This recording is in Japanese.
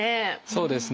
そうですね。